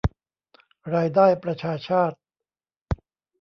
รายได้ประชาชาติ